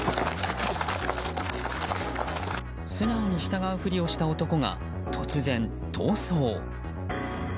素直に従うふりをした男が突然、逃走。